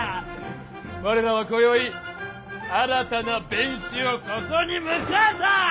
我らはこよい新たな弁士をここに迎えた！